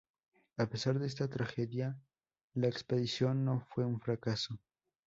A pesar de esta tragedia, la expedición no fue un fracaso.